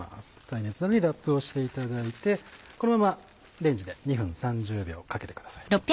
耐熱皿にラップをしていただいてこのままレンジで２分３０秒かけてください。